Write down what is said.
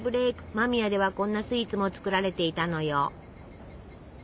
間宮ではこんなスイーツも作られていたのよ。